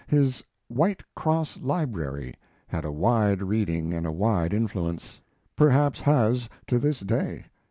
His "White Cross Library" had a wide reading and a wide influence; perhaps has to this day.